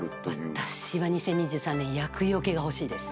私は２０２３年厄除けが欲しいです。